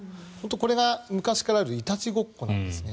これが昔からあるいたちごっこなんですね。